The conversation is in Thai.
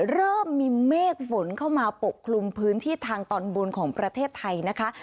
เริ่มมีเมฆฝนเข้ามาปกคลุมพื้นที่ทางตอนบนของประเทศไทยนะคะ